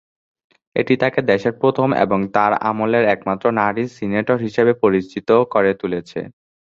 এটি তাকে দেশের প্রথম এবং তার আমলের একমাত্র নারী সিনেটর হিসেবে পরিচিত করে তুলেছে।